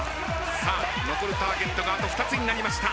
さあ残るターゲットがあと２つになりました。